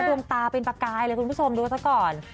ดวงตาเป็นประกายเลยคุณผู้ชมดูซะก่อน